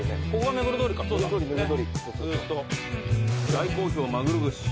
「大好評まぐろ串」